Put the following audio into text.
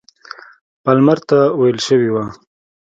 پالمر ته ویل شوي وه.